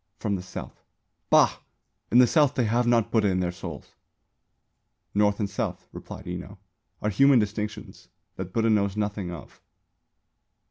"From the South." "Bah! In the South they have not Buddha in their souls." "North and South," replied Enō, "are human distinctions that Buddha knows nothing of."